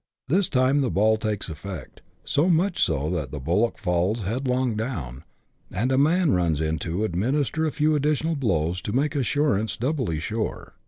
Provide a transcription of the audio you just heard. This time the ball takes effect, so much so that the bullock falls headlong down, and a man runs in to administer a few additional blows to make assur ance doubly sure.